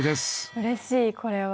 うれしいこれは。